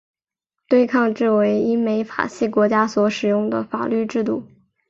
对抗制为英美法系国家所使用的法律制度。